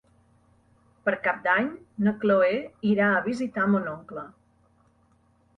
Per Cap d'Any na Chloé irà a visitar mon oncle.